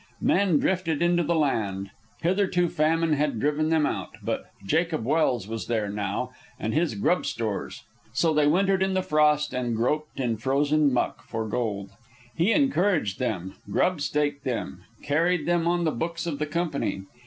Men drifted into the land. Hitherto famine had driven them out, but Jacob Welse was there now, and his grub stores; so they wintered in the frost and groped in the frozen muck for gold. He encouraged them, grub staked them, carried them on the books of the company.